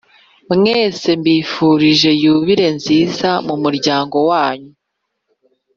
mwese mbifurije yubile nziza mumuryango wanyu